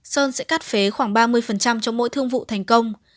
sơn sẽ cắt phế khoảng ba mươi cho mỗi thương vụ thành công